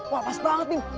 wah pas banget bim